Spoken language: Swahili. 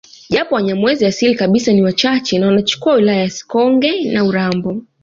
Japo wanyamwezi asili kabisa ni wachache na wanachukua wilaya ya Sikonge na urambo